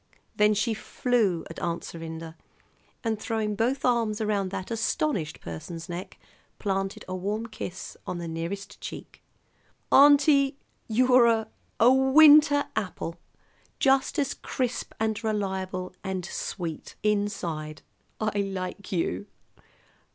Then she flew at Aunt Serinda, and, throwing both arms around that astonished person's neck, planted a warm kiss on the nearest cheek. "Auntie, you're a a winter apple! Just as crisp and reliable and sweet inside! I like you."